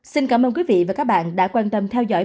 xin cảm ơn quý vị và các bạn đã quan tâm theo dõi